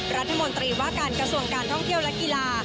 รัฐมนตรีว่าการกระทรวงการท่องเที่ยวและกีฬา